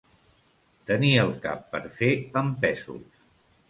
Tenir el cap per fer amb pèsols.